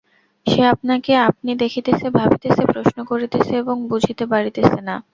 সে আপনাকে আপনি দেখিতেছে, ভাবিতেছে, প্রশ্ন করিতেছে এবং বুঝিতে পারিতেছে না।